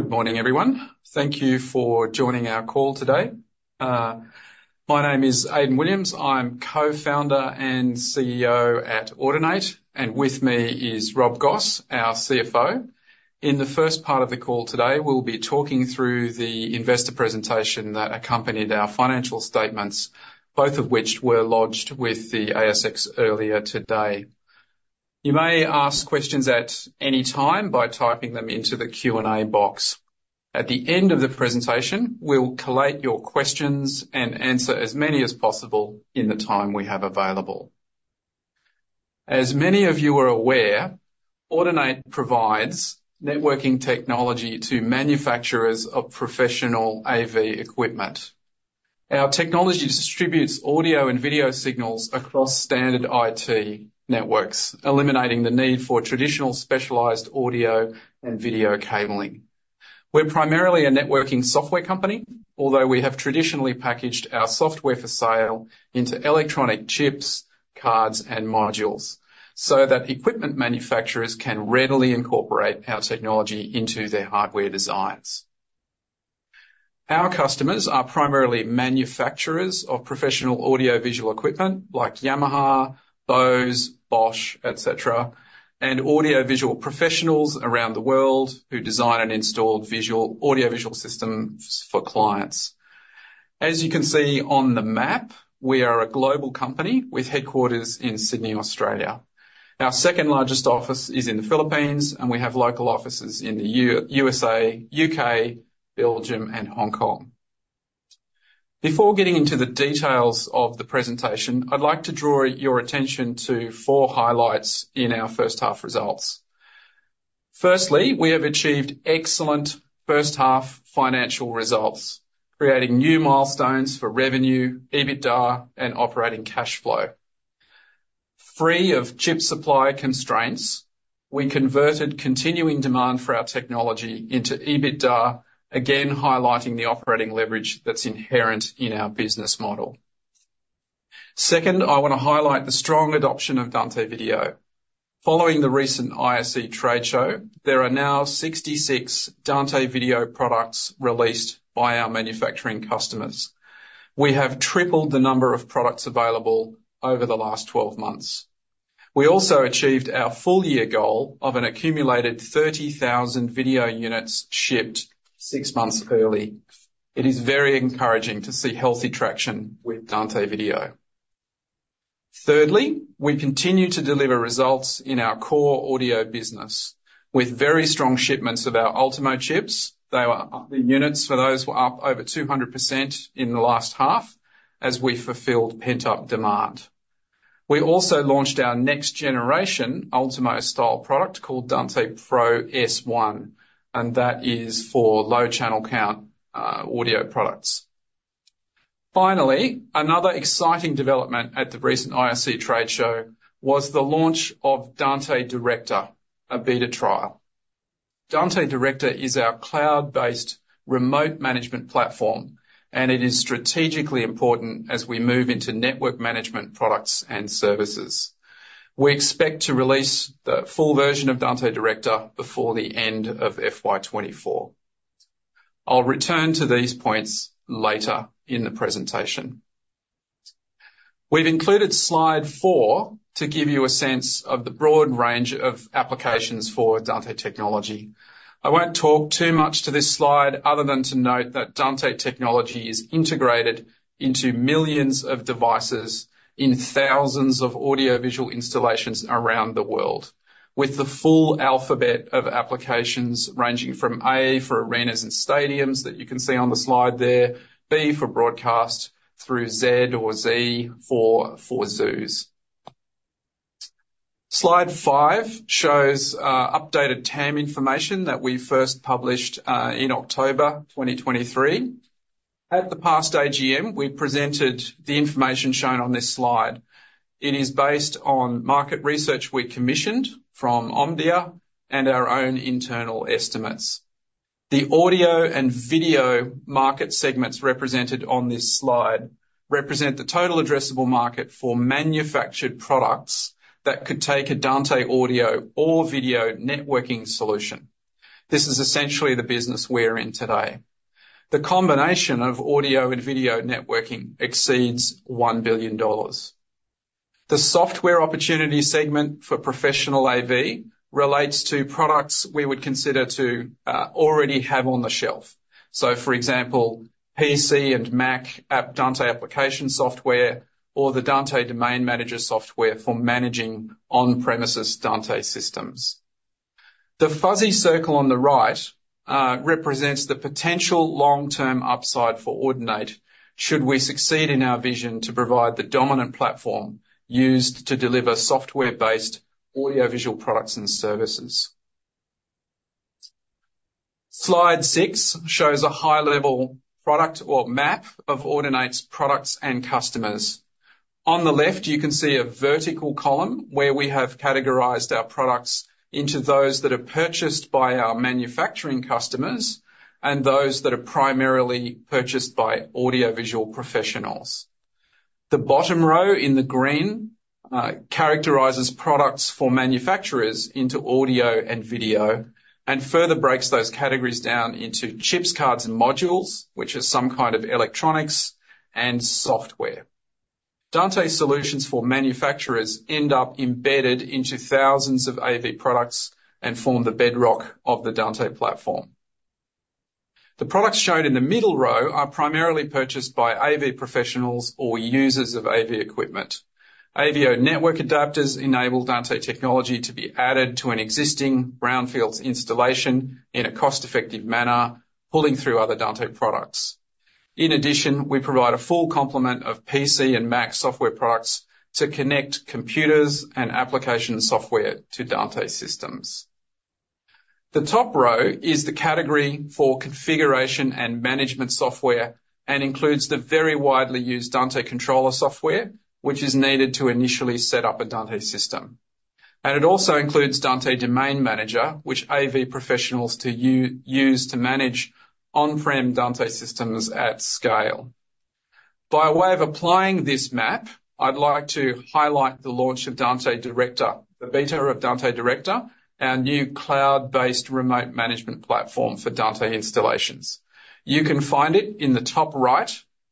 Good morning, everyone. Thank you for joining our call today. My name is Aidan Williams. I'm co-founder and CEO at Audinate, and with me is Rob Goss, our CFO. In the first part of the call today, we'll be talking through the investor presentation that accompanied our financial statements, both of which were lodged with the ASX earlier today. You may ask questions at any time by typing them into the Q&A box. At the end of the presentation, we'll collate your questions and answer as many as possible in the time we have available. As many of you are aware, Audinate provides networking technology to manufacturers of professional AV equipment. Our technology distributes audio and video signals across standard IT networks, eliminating the need for traditional specialized audio and video cabling. We're primarily a networking software company, although we have traditionally packaged our software for sale into electronic chips, cards, and modules, so that equipment manufacturers can readily incorporate our technology into their hardware designs. Our customers are primarily manufacturers of professional audiovisual equipment, like Yamaha, Bose, Bosch, et cetera, and audiovisual professionals around the world who design and install audiovisual systems for clients. As you can see on the map, we are a global company with headquarters in Sydney, Australia. Our second largest office is in the Philippines, and we have local offices in the U.S.A., U.K., Belgium, and Hong Kong. Before getting into the details of the presentation, I'd like to draw your attention to four highlights in our first half results. Firstly, we have achieved excellent first half financial results, creating new milestones for revenue, EBITDA, and operating cash flow. Free of chip supply constraints, we converted continuing demand for our technology into EBITDA, again, highlighting the operating leverage that's inherent in our business model. Second, I want to highlight the strong adoption of Dante Video. Following the recent ISE trade show, there are now 66 Dante Video products released by our manufacturing customers. We have tripled the number of products available over the last 12 months. We also achieved our full year goal of an accumulated 30,000 video units shipped six months early. It is very encouraging to see healthy traction with Dante Video. Thirdly, we continue to deliver results in our core audio business with very strong shipments of our Ultimo chips. They are up. The units for those were up over 200% in the last half as we fulfilled pent-up demand. We also launched our next generation Ultimo style product called Dante Pro S1, and that is for low channel count, audio products. Finally, another exciting development at the recent ISE trade show was the launch of Dante Director, a beta trial. Dante Director is our cloud-based remote management platform, and it is strategically important as we move into network management products and services. We expect to release the full version of Dante Director before the end of FY 2024. I'll return to these points later in the presentation. We've included slide 4 to give you a sense of the broad range of applications for Dante technology. I won't talk too much to this slide, other than to note that Dante technology is integrated into millions of devices in thousands of audiovisual installations around the world, with the full alphabet of applications ranging from A for arenas and stadiums that you can see on the slide there, B for broadcast, through Z or Z for, for zoos. Slide five shows updated TAM information that we first published in October 2023. At the past AGM, we presented the information shown on this slide. It is based on market research we commissioned from Omdia and our own internal estimates. The audio and video market segments represented on this slide represent the total addressable market for manufactured products that could take a Dante audio or video networking solution. This is essentially the business we're in today. The combination of audio and video networking exceeds $1 billion. The software opportunity segment for professional AV relates to products we would consider to already have on the shelf. So, for example, PC and Mac app, Dante application software, or the Dante Domain Manager software for managing on-premises Dante systems. The fuzzy circle on the right represents the potential long-term upside for Audinate should we succeed in our vision to provide the dominant platform used to deliver software-based audiovisual products and services. Slide 6 shows a high-level product or map of Audinate's products and customers. On the left, you can see a vertical column where we have categorized our products into those that are purchased by our manufacturing customers and those that are primarily purchased by audiovisual professionals. The bottom row in the green characterizes products for manufacturers into audio and video, and further breaks those categories down into chips, cards and modules, which are some kind of electronics and software. Dante solutions for manufacturers end up embedded into thousands of AV products and form the bedrock of the Dante platform. The products shown in the middle row are primarily purchased by AV professionals or users of AV equipment. AV over network adapters enable Dante technology to be added to an existing brownfield installation in a cost-effective manner, pulling through other Dante products. In addition, we provide a full complement of PC and Mac software products to connect computers and application software to Dante systems. The top row is the category for configuration and management software, and includes the very widely used Dante Controller software, which is needed to initially set up a Dante system. And it also includes Dante Domain Manager, which AV professionals to use to manage on-prem Dante systems at scale. By way of applying this map, I'd like to highlight the launch of Dante Director, the beta of Dante Director, our new cloud-based remote management platform for Dante installations. You can find it in the top right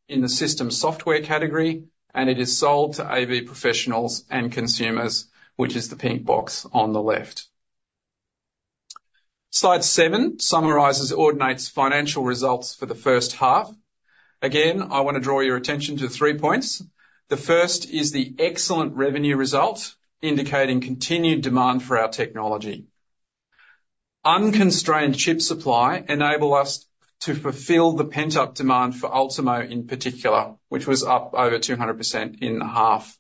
in the System Software category, and it is sold to AV professionals and consumers, which is the pink box on the left. Slide 7 summarizes Audinate's financial results for the first half. Again, I want to draw your attention to 3 points. The first is the excellent revenue results, indicating continued demand for our technology. Unconstrained chip supply enable us to fulfill the pent-up demand for Ultimo in particular, which was up over 200% in half.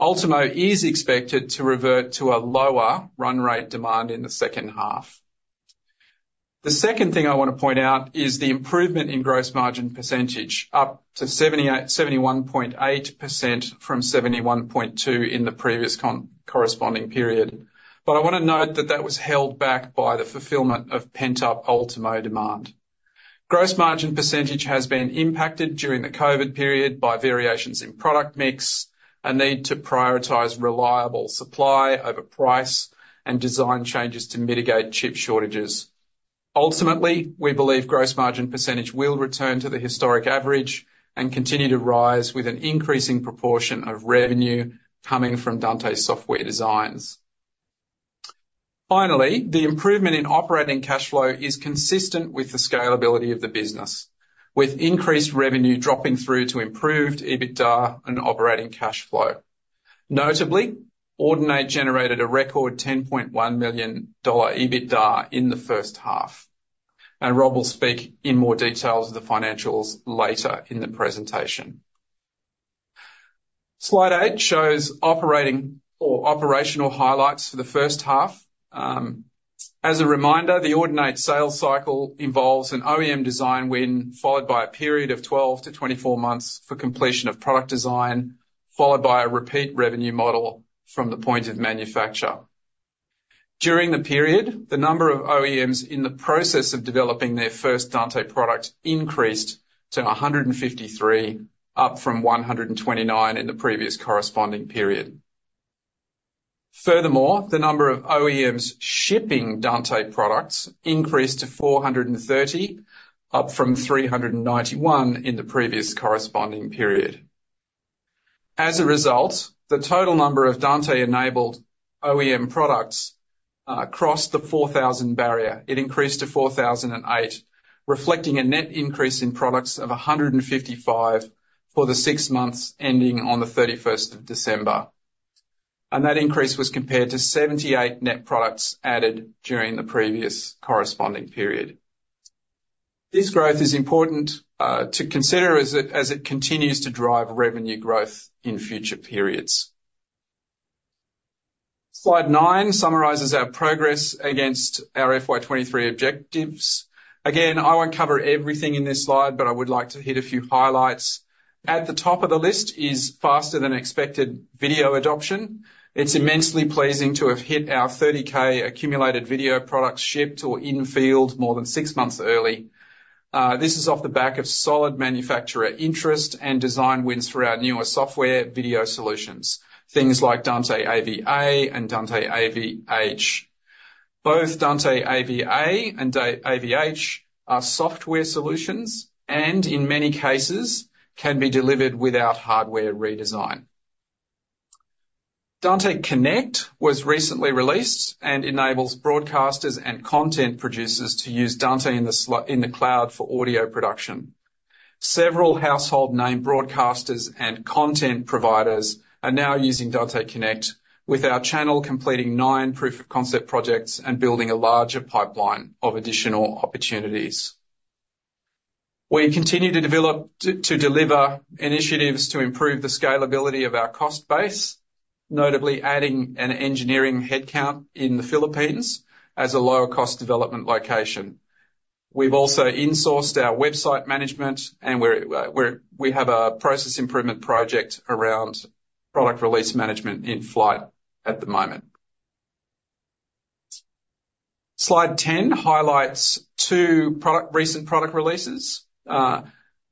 Ultimo is expected to revert to a lower run rate demand in the second half. The second thing I want to point out is the improvement in gross margin percentage, up to 71.8% from 71.2% in the previous corresponding period. But I want to note that that was held back by the fulfillment of pent-up Ultimo demand. Gross margin percentage has been impacted during the COVID period by variations in product mix, a need to prioritize reliable supply over price, and design changes to mitigate chip shortages. Ultimately, we believe gross margin percentage will return to the historic average and continue to rise with an increasing proportion of revenue coming from Dante software designs. Finally, the improvement in operating cash flow is consistent with the scalability of the business, with increased revenue dropping through to improved EBITDA and operating cash flow. Notably, Audinate generated a record 10.1 million dollar EBITDA in the first half, and Rob will speak in more details of the financials later in the presentation. Slide 8 shows operating or operational highlights for the first half. As a reminder, the Audinate sales cycle involves an OEM design win, followed by a period of 12-24 months for completion of product design, followed by a repeat revenue model from the point of manufacture. During the period, the number of OEMs in the process of developing their first Dante product increased to 153, up from 129 in the previous corresponding period. Furthermore, the number of OEMs shipping Dante products increased to 430, up from 391 in the previous corresponding period. As a result, the total number of Dante-enabled OEM products crossed the 4,000 barrier. It increased to 4,008, reflecting a net increase in products of 155 for the six months ending on the 31st of December. And that increase was compared to 78 net products added during the previous corresponding period. This growth is important to consider as it continues to drive revenue growth in future periods. Slide 9 summarizes our progress against our FY 2023 objectives. Again, I won't cover everything in this slide, but I would like to hit a few highlights. At the top of the list is faster than expected video adoption. It's immensely pleasing to have hit our 30K accumulated video products shipped or in field more than six months early. This is off the back of solid manufacturer interest and design wins for our newer software video solutions, things like Dante AV-A and Dante AV-H. Both Dante AV-A and Dante AV-H are software solutions, and in many cases, can be delivered without hardware redesign. Dante Connect was recently released and enables broadcasters and content producers to use Dante in the cloud for audio production. Several household name broadcasters and content providers are now using Dante Connect, with our channel completing nine proof of concept projects and building a larger pipeline of additional opportunities. We continue to deliver initiatives to improve the scalability of our cost base, notably adding an engineering headcount in the Philippines as a lower cost development location. We've also insourced our website management, and we're, we have a process improvement project around product release management in flight at the moment. Slide 10 highlights two recent product releases.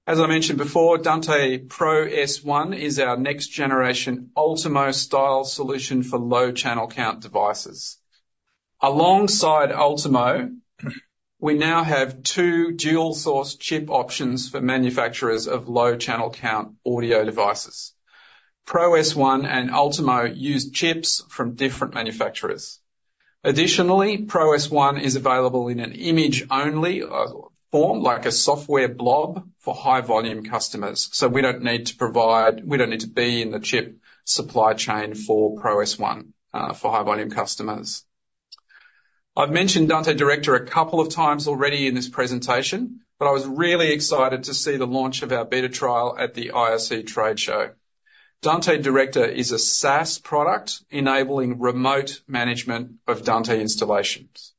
As I mentioned before, Dante Pro S1 is our next generation Ultimo style solution for low channel count devices. Alongside Ultimo, we now have two dual source chip options for manufacturers of low channel count audio devices. Pro S1 and Ultimo use chips from different manufacturers. Additionally, Pro S1 is available in an image-only form, like a software blob, for high volume customers. So we don't need to provide, we don't need to be in the chip supply chain for Pro S1, for high volume customers. I've mentioned Dante Director a couple of times already in this presentation, but I was really excited to see the launch of our beta trial at the ISE trade show. Dante Director is a SaaS product enabling remote management of Dante installations.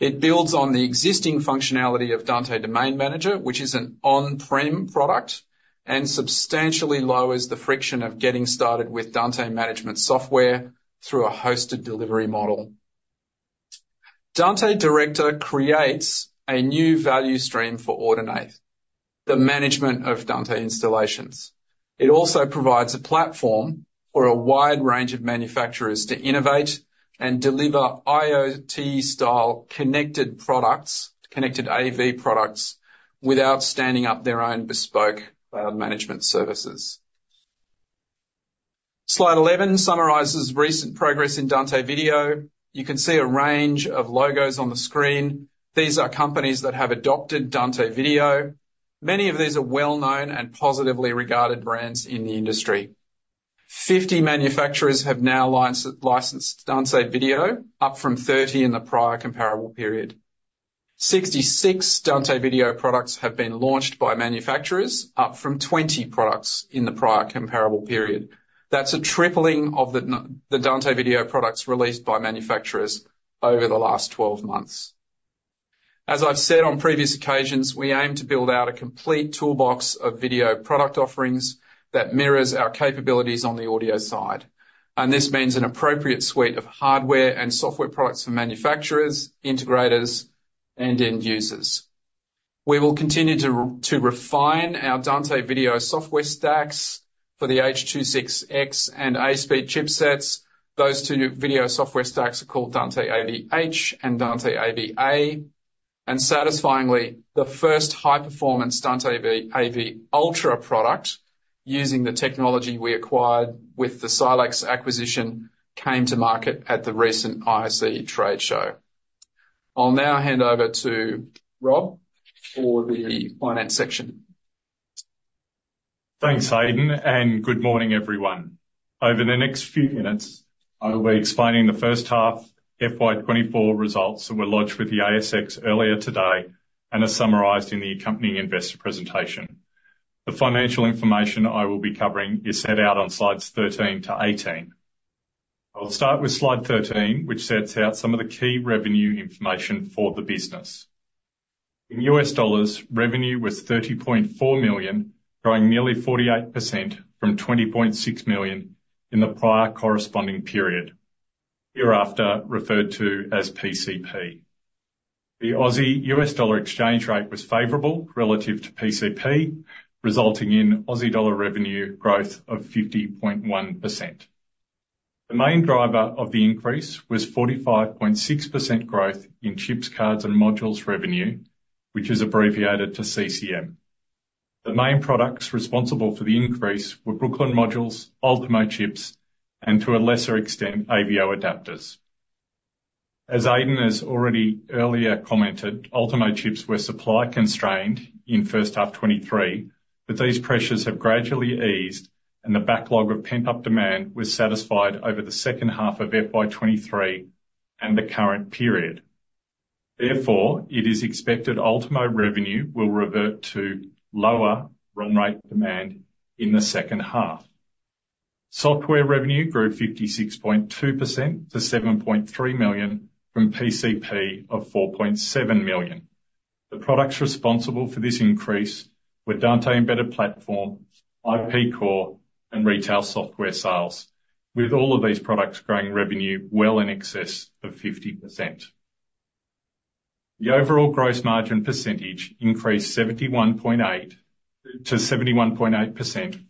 It builds on the existing functionality of Dante Domain Manager, which is an on-prem product, and substantially lowers the friction of getting started with Dante management software through a hosted delivery model. Dante Director creates a new value stream for Audinate, the management of Dante installations. It also provides a platform for a wide range of manufacturers to innovate and deliver IoT-style connected products, connected AV products, without standing up their own bespoke cloud management services. Slide 11 summarizes recent progress in Dante Video. You can see a range of logos on the screen. These are companies that have adopted Dante Video. Many of these are well-known and positively regarded brands in the industry. 50 manufacturers have now licensed Dante Video, up from 30 in the prior comparable period. 66 Dante Video products have been launched by manufacturers, up from 20 products in the prior comparable period. That's a tripling of the Dante Video products released by manufacturers over the last 12 months. As I've said on previous occasions, we aim to build out a complete toolbox of video product offerings that mirrors our capabilities on the audio side, and this means an appropriate suite of hardware and software products for manufacturers, integrators, and end users. We will continue to refine our Dante Video software stacks for the H.26x and ASPEED chipsets. Those two video software stacks are called Dante AV-H and Dante AV-A, and satisfyingly, the first high-performance Dante AV Ultra product using the technology we acquired with the Silex acquisition, came to market at the recent ISE trade show. I'll now hand over to Rob for the finance section. Thanks, Aidan, and good morning, everyone. Over the next few minutes, I will be explaining the first half FY 2024 results that were lodged with the ASX earlier today and are summarized in the accompanying investor presentation. The financial information I will be covering is set out on slides 13 to 18. I'll start with slide 13, which sets out some of the key revenue information for the business. In U.S. dollars, revenue was $30.4 million, growing nearly 48% from $20.6 million in the prior corresponding period, hereafter referred to as PCP. The Aussie-U.S. dollar exchange rate was favorable relative to PCP, resulting in Aussie dollar revenue growth of 51%. The main driver of the increase was 45.6% growth in chips, cards, and modules revenue, which is abbreviated to CCM. The main products responsible for the increase were Brooklyn modules, Ultimo chips, and to a lesser extent, AVIO adapters. As Aidan has already earlier commented, Ultimo chips were supply constrained in first half 2023, but these pressures have gradually eased, and the backlog of pent-up demand was satisfied over the second half of FY 2023 and the current period. Therefore, it is expected Ultimo revenue will revert to lower run rate demand in the second half. Software revenue grew 56.2% to 7.3 million, from PCP of 4.7 million. The products responsible for this increase were Dante Embedded Platform, IP Core, and retail software sales. With all of these products growing revenue well in excess of 50%. The overall gross margin percentage increased to 71.8%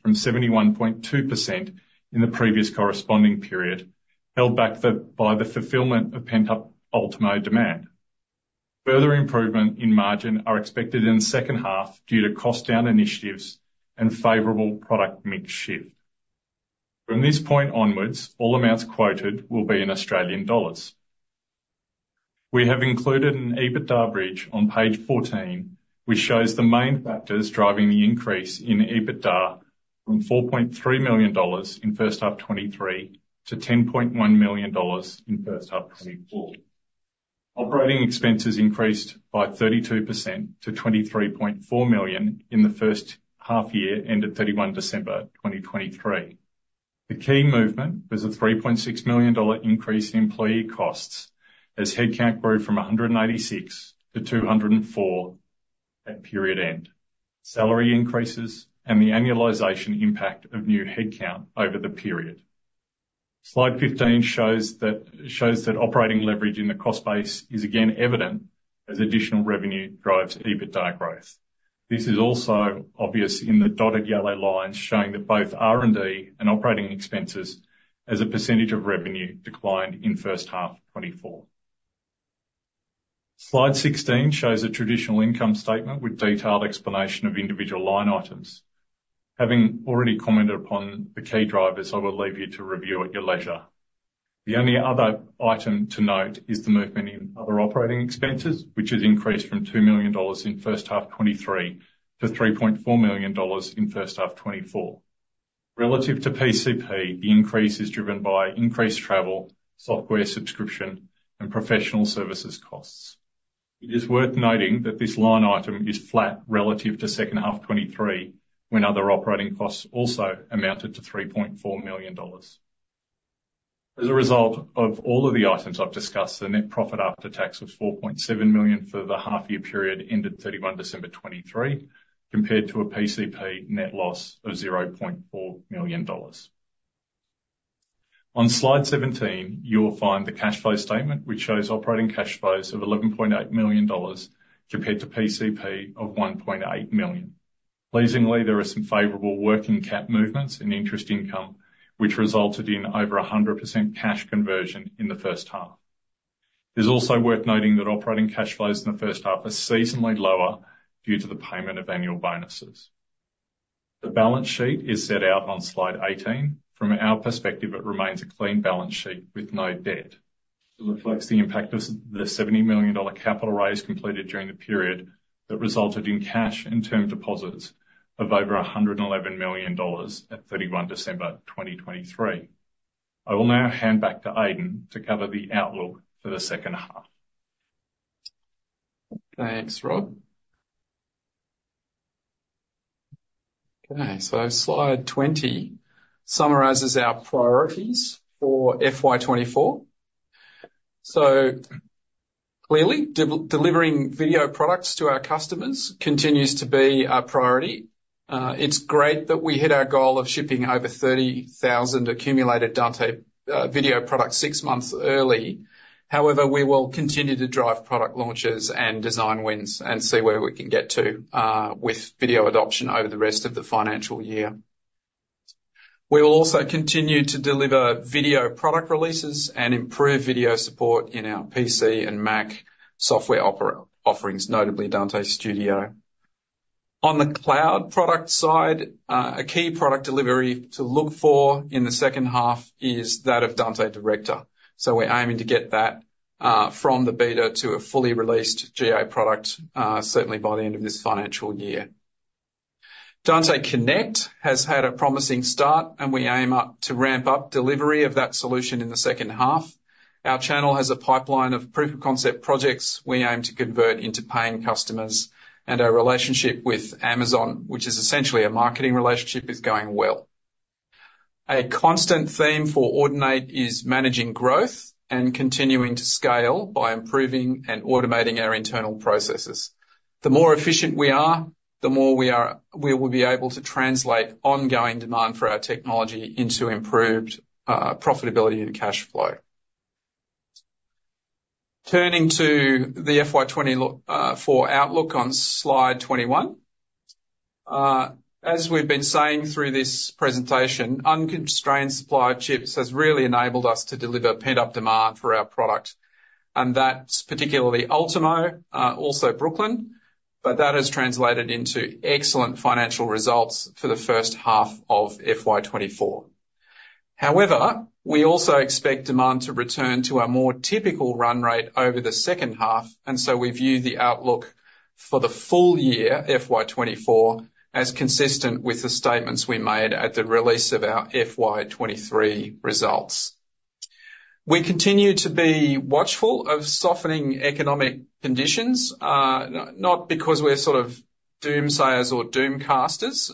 from 71.2% in the previous corresponding period, held back by the fulfillment of pent-up Ultimo demand. Further improvement in margin are expected in the second half due to cost down initiatives and favorable product mix shift. From this point onwards, all amounts quoted will be in Australian dollars. We have included an EBITDA bridge on page 14, which shows the main factors driving the increase in EBITDA from 4.3 million dollars in first half 2023 to 10.1 million dollars in first half 2024. Operating expenses increased by 32% to 23.4 million in the first half year ended 31 December 2023. The key movement was a 3.6 million dollar increase in employee costs as headcount grew from 186 to 204 at period end. Salary increases and the annualization impact of new headcount over the period. Slide 15 shows that operating leverage in the cost base is again evident as additional revenue drives EBITDA growth. This is also obvious in the dotted yellow lines, showing that both R&D and operating expenses as a percentage of revenue declined in first half 2024. Slide 16 shows a traditional income statement with detailed explanation of individual line items. Having already commented upon the key drivers, I will leave you to review at your leisure. The only other item to note is the movement in other operating expenses, which has increased from 2 million dollars in first half 2023 to 3.4 million dollars in first half 2024. Relative to PCP, the increase is driven by increased travel, software subscription, and professional services costs. It is worth noting that this line item is flat relative to second half 2023, when other operating costs also amounted to 3.4 million dollars. As a result of all of the items I've discussed, the net profit after tax was 4.7 million for the half year period, ended 31 December 2023, compared to a PCP net loss of 0.4 million dollars. On Slide 17, you will find the cash flow statement, which shows operating cash flows of 11.8 million dollars compared to PCP of 1.8 million. Pleasingly, there are some favorable working cap movements in interest income, which resulted in over 100% cash conversion in the first half. It's also worth noting that operating cash flows in the first half are seasonally lower due to the payment of annual bonuses. The balance sheet is set out on Slide 18. From our perspective, it remains a clean balance sheet with no debt. It reflects the impact of the 70 million dollar capital raise completed during the period that resulted in cash and term deposits of over 111 million dollars at 31 December 2023. I will now hand back to Aidan to cover the outlook for the second half. Thanks, Rob. Okay, so Slide 20 summarizes our priorities for FY 2024. So clearly, delivering video products to our customers continues to be a priority. It's great that we hit our goal of shipping over 30,000 accumulated Dante Video products six months early. However, we will continue to drive product launches and design wins and see where we can get to with video adoption over the rest of the financial year. We will also continue to deliver video product releases and improve video support in our PC and Mac software operating offerings, notably Dante Studio. On the cloud product side, a key product delivery to look for in the second half is that of Dante Director. So we're aiming to get that from the beta to a fully released GA product, certainly by the end of this financial year. Dante Connect has had a promising start, and we aim up to ramp up delivery of that solution in the second half. Our channel has a pipeline of proof-of-concept projects we aim to convert into paying customers, and our relationship with Amazon, which is essentially a marketing relationship, is going well. A constant theme for Audinate is managing growth and continuing to scale by improving and automating our internal processes. The more efficient we are, the more we will be able to translate ongoing demand for our technology into improved profitability and cash flow. Turning to the FY 2024 outlook on Slide 21. As we've been saying through this presentation, unconstrained supply of chips has really enabled us to deliver pent-up demand for our product, and that's particularly Ultimo, also Brooklyn. But that has translated into excellent financial results for the first half of FY 2024. However, we also expect demand to return to a more typical run rate over the second half, and so we view the outlook for the full year, FY 2024, as consistent with the statements we made at the release of our FY 2023 results. We continue to be watchful of softening economic conditions, not because we're sort of doomsayers or doom casters.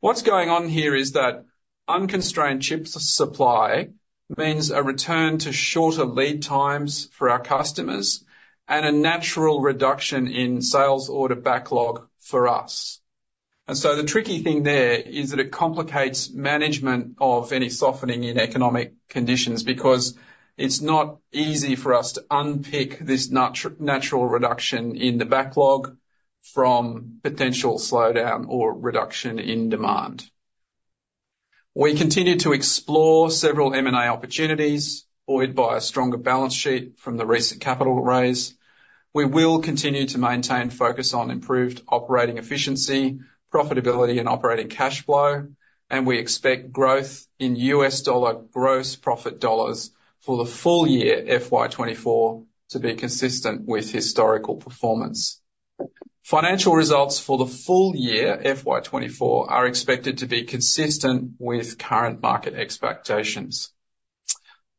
What's going on here is that unconstrained chip supply means a return to shorter lead times for our customers and a natural reduction in sales order backlog for us. And so the tricky thing there is that it complicates management of any softening in economic conditions, because it's not easy for us to unpick this natural reduction in the backlog from potential slowdown or reduction in demand. We continue to explore several M&A opportunities, buoyed by a stronger balance sheet from the recent capital raise. We will continue to maintain focus on improved operating efficiency, profitability, and operating cash flow. And we expect growth in U.S. dollar gross profit dollars for the full year, FY 2024, to be consistent with historical performance. Financial results for the full year, FY 2024, are expected to be consistent with current market expectations.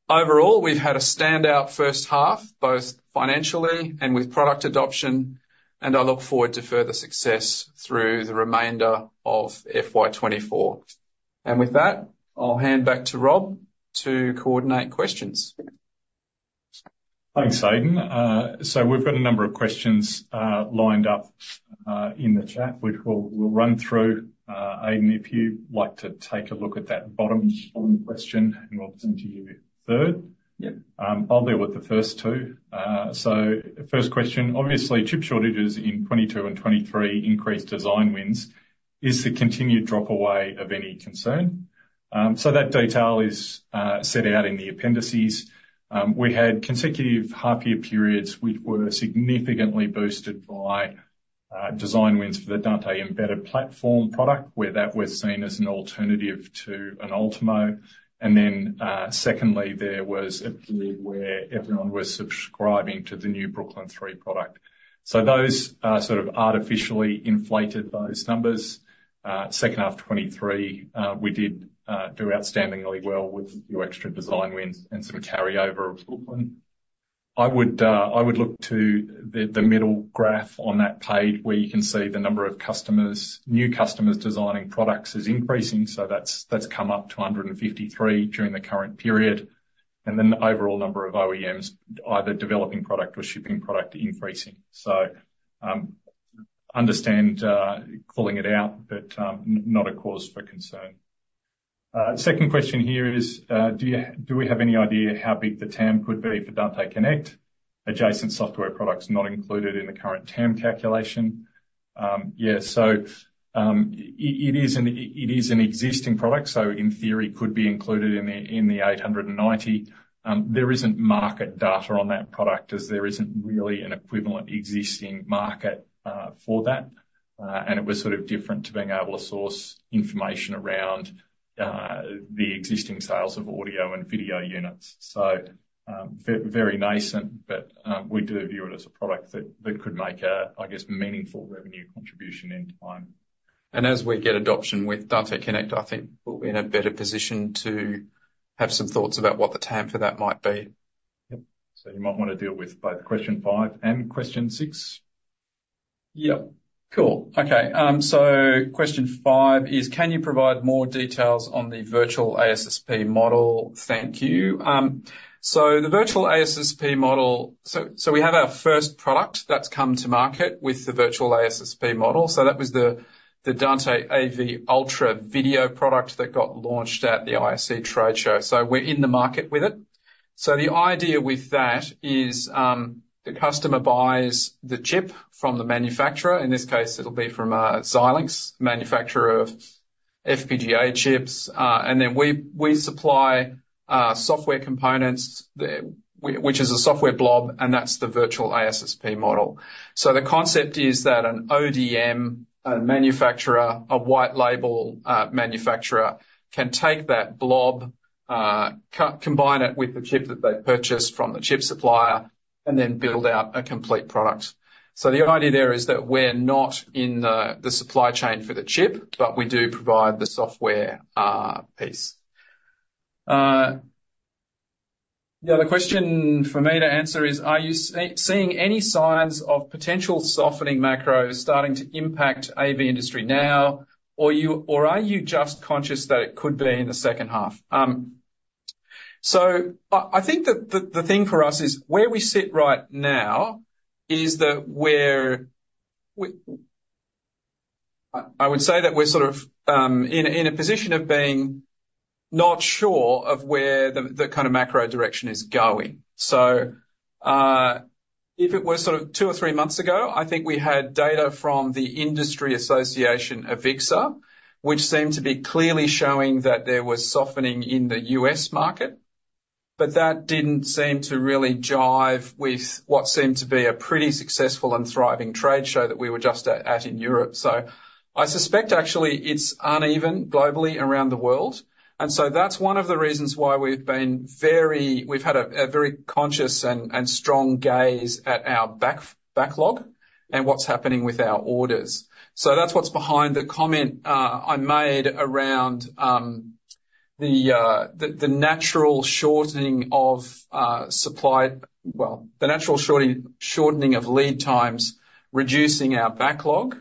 Overall, we've had a standout first half, both financially and with product adoption, and I look forward to further success through the remainder of FY 2024. And with that, I'll hand back to Rob to coordinate questions.... Thanks, Aidan. So we've got a number of questions lined up in the chat, which we'll run through. Aidan, if you'd like to take a look at that bottom question, and we'll present to you third. Yep. I'll deal with the first two. So first question: Obviously, chip shortages in 2022 and 2023 increased design wins. Is the continued drop away of any concern? So that detail is set out in the appendices. We had consecutive half-year periods, which were significantly boosted by design wins for the Dante Embedded Platform product, where that was seen as an alternative to an Ultimo. And then, secondly, there was a period where everyone was subscribing to the new Brooklyn 3 product. So those sort of artificially inflated those numbers. Second half of 2023, we did do outstandingly well with a few extra design wins and some carryover of Brooklyn. I would look to the middle graph on that page, where you can see the number of customers, new customers designing products is increasing, so that's come up to 153 during the current period. And then the overall number of OEMs, either developing product or shipping product, are increasing. So, understand calling it out, but not a cause for concern. Second question here is: Do we have any idea how big the TAM could be for Dante Connect? Adjacent software products not included in the current TAM calculation. Yeah, so it is an existing product, so in theory, could be included in the 890. There isn't market data on that product, as there isn't really an equivalent existing market for that. It was sort of different to being able to source information around the existing sales of audio and video units. So, very nascent, but, we do view it as a product that could make a, I guess, meaningful revenue contribution in time. As we get adoption with Dante Connect, I think we'll be in a better position to have some thoughts about what the TAM for that might be. Yep. So you might want to deal with both question 5 and question 6. Yep. Cool, okay. So question five is: Can you provide more details on the virtual ASSP model? Thank you. So the virtual ASSP model... So we have our first product that's come to market with the virtual ASSP model, so that was the Dante AV Ultra video product that got launched at the ISE trade show. So we're in the market with it. So the idea with that is, the customer buys the chip from the manufacturer. In this case, it'll be from Xilinx, manufacturer of FPGA chips. And then we supply software components, which is a software blob, and that's the virtual ASSP model. So the concept is that an ODM, a manufacturer, a white label manufacturer, can take that blob, combine it with the chip that they've purchased from the chip supplier, and then build out a complete product. So the idea there is that we're not in the supply chain for the chip, but we do provide the software piece. The other question for me to answer is: Are you seeing any signs of potential softening macros starting to impact AV industry now, or are you just conscious that it could be in the second half? So I think that the thing for us is where we sit right now is that I would say that we're sort of in a position of being not sure of where the kind of macro direction is going. So, if it were sort of two or three months ago, I think we had data from the industry association, AVIXA, which seemed to be clearly showing that there was softening in the U.S. market, but that didn't seem to really jive with what seemed to be a pretty successful and thriving trade show that we were just at in Europe. So I suspect actually it's uneven globally around the world, and so that's one of the reasons why we've been very—we've had a very conscious and strong gaze at our backlog and what's happening with our orders. So that's what's behind the comment I made around the natural shortening of lead times, reducing our backlog,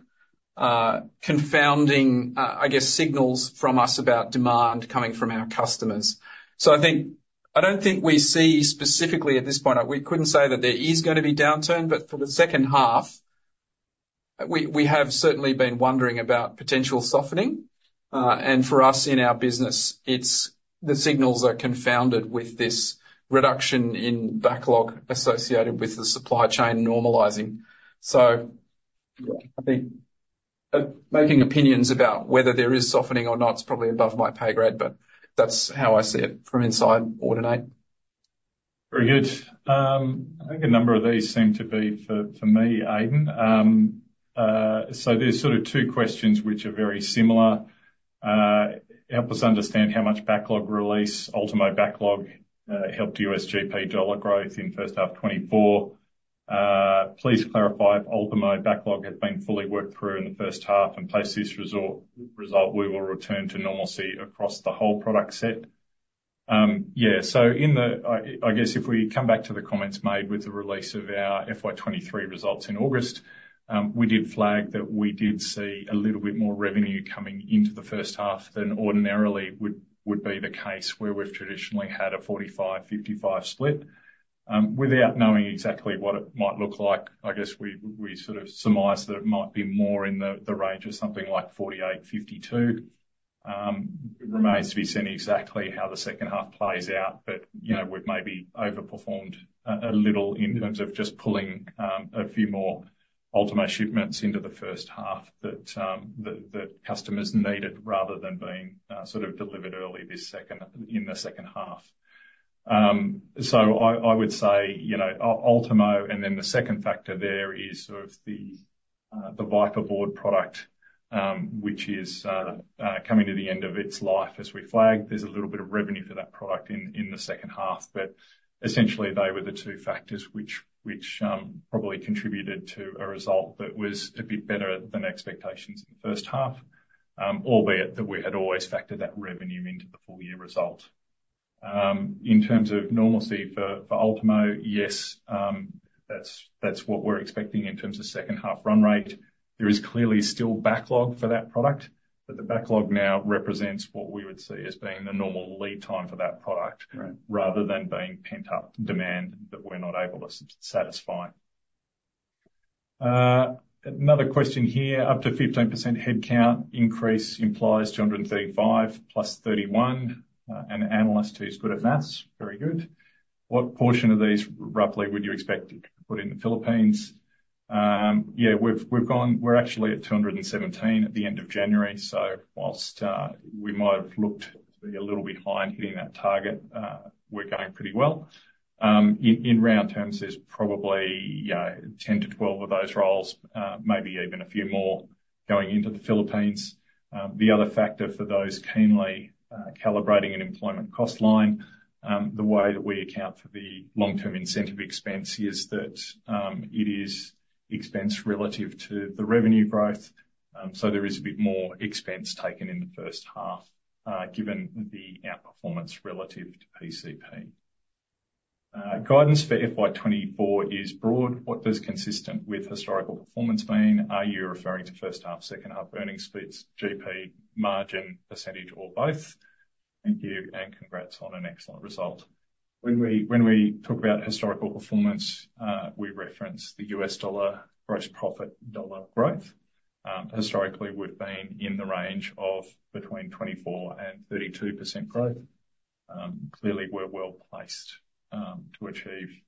confounding, I guess, signals from us about demand coming from our customers. So I think, I don't think we see specifically at this point, we couldn't say that there is going to be downturn, but for the second half, we have certainly been wondering about potential softening. And for us, in our business, it's the signals are confounded with this reduction in backlog associated with the supply chain normalizing. So I think, making opinions about whether there is softening or not is probably above my pay grade, but that's how I see it from inside Audinate. Very good. I think a number of these seem to be for, for me, Aidan. So there's sort of two questions which are very similar. Help us understand how much backlog release, Ultimo backlog, helped USD dollar growth in first half 2024. Please clarify if Ultimo backlog has been fully worked through in the first half, and based on this result, we will return to normalcy across the whole product set.... Yeah. So in the, I, I guess if we come back to the comments made with the release of our FY 2023 results in August, we did flag that we did see a little bit more revenue coming into the first half than ordinarily would, would be the case, where we've traditionally had a 45-55 split. Without knowing exactly what it might look like, I guess we sort of surmised that it might be more in the range of something like 48-52. It remains to be seen exactly how the second half plays out, but you know, we've maybe overperformed a little in terms of just pulling a few more Ultimo shipments into the first half that customers needed, rather than being sort of delivered early in the second half. So I would say, you know, Ultimo, and then the second factor there is sort of the Viper Board product, which is coming to the end of its life. As we flagged, there's a little bit of revenue for that product in the second half. Essentially, they were the two factors which probably contributed to a result that was a bit better than expectations in the first half, albeit that we had always factored that revenue into the full year result. In terms of normalcy for Ultimo, yes, that's what we're expecting in terms of second half run rate. There is clearly still backlog for that product, but the backlog now represents what we would see as being the normal lead time for that product. Right. Rather than being pent-up demand that we're not able to satisfy. Another question here. Up to 15% headcount increase implies 235 + 31. An analyst who's good at math. Very good. What portion of these, roughly, would you expect to put in the Philippines? Yeah, we've gone, we're actually at 217 at the end of January, so while we might have looked to be a little bit behind hitting that target, we're going pretty well. In round terms, there's probably, you know, 10-12 of those roles, maybe even a few more going into the Philippines. The other factor for those keenly calibrating an employment cost line, the way that we account for the long-term incentive expense is that, it is expense relative to the revenue growth. So there is a bit more expense taken in the first half, given the outperformance relative to PCP. Guidance for FY 2024 is broad. What does consistent with historical performance mean? Are you referring to first half, second half, earnings splits, GP, margin, percentage, or both? Thank you, and congrats on an excellent result. When we, when we talk about historical performance, we reference the U.S. dollar, gross profit dollar growth. Historically, we've been in the range of between 24% and 32% growth. Clearly, we're well placed to achieve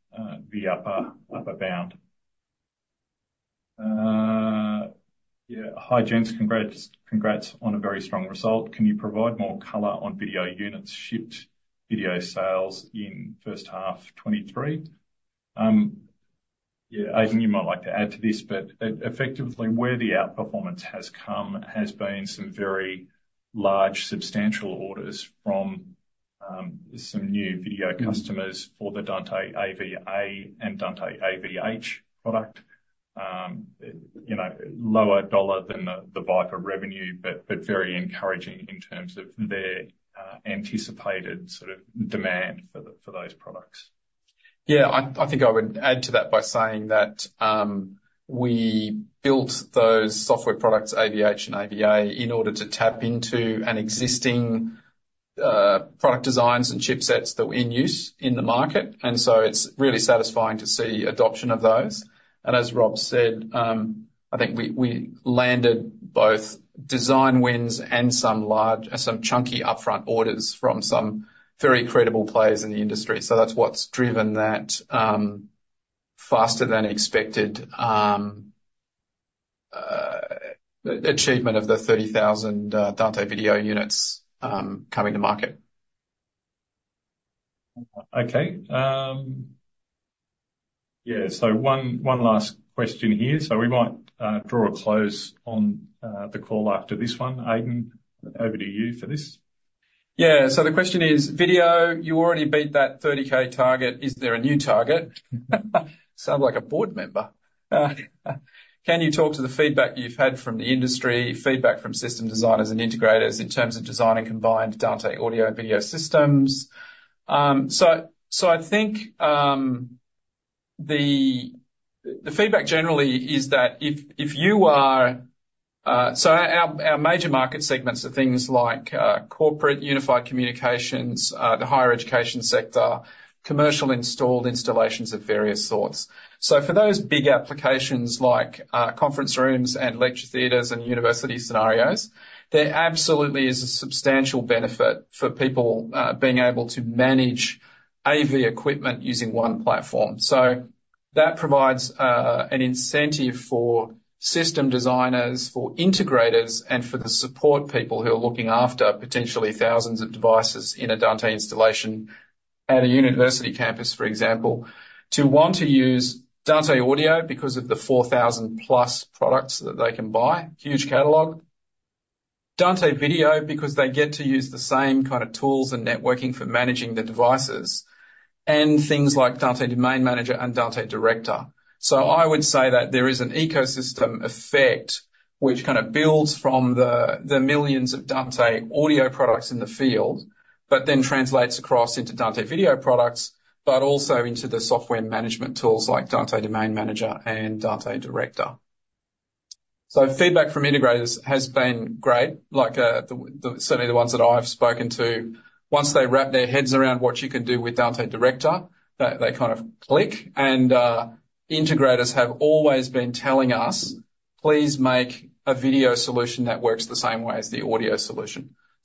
the upper, upper bound. Yeah. Hi, gents. Congrats, congrats on a very strong result. Can you provide more color on video units shipped, video sales in first half 2023? Yeah, Aidan, you might like to add to this, but effectively, where the outperformance has come has been some very large, substantial orders from some new video customers for the Dante AV-A and Dante AV-H product. You know, lower dollar than the Viper revenue, but very encouraging in terms of their anticipated sort of demand for those products. Yeah, I think I would add to that by saying that we built those software products, AV-H and AV-A, in order to tap into an existing product designs and chipsets that were in use in the market, and so it's really satisfying to see adoption of those. And as Rob said, I think we landed both design wins and some chunky upfront orders from some very credible players in the industry. So that's what's driven that faster than expected achievement of the 30,000 Dante Video units coming to market. Okay, yeah, so one last question here, so we might draw a close on the call after this one. Aidan, over to you for this. Yeah. So the question is, video, you already beat that 30K target. Is there a new target? Sound like a board member. Can you talk to the feedback you've had from the industry, feedback from system designers and integrators in terms of designing combined Dante audio-video systems? So I think the feedback generally is that if you are... So our major market segments are things like corporate unified communications, the higher education sector, commercial installed installations of various sorts. So for those big applications like conference rooms and lecture theaters and university scenarios, there absolutely is a substantial benefit for people being able to manage AV equipment using one platform. So that provides an incentive for system designers, for integrators, and for the support people who are looking after potentially thousands of devices in a Dante installation at a university campus, for example, to want to use Dante audio because of the 4,000+ products that they can buy. Huge catalog. Dante Video, because they get to use the same kind of tools and networking for managing the devices and things like Dante Domain Manager and Dante Director. So I would say that there is an ecosystem effect which kind of builds from the millions of Dante audio products in the field, but then translates across into Dante video products, but also into the software management tools like Dante Domain Manager and Dante Director. So feedback from integrators has been great, like, certainly the ones that I've spoken to. Once they wrap their heads around what you can do with Dante Director, they kind of click. And, integrators have always been telling us, "Please make a video solution that works the same way as the audio solution.